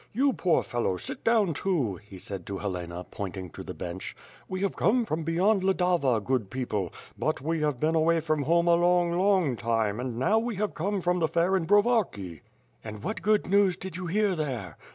You poor fellow sit down too," he said to Helena pointing to the bench. "We have come from beyond Ladava, good people, but we have been away from home a long, long time and now we have come from the fair in Brovarki." "And what good news did you hear there?"